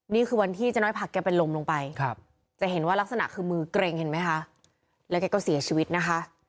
นี่คือวันที่เจ๊น้อยผักแกเป็นลมลงไปจะเห็นว่ารักษณะคือมือเกร็งเห็นไหมคะแล้วแกก็เสียชีวิตนะคะ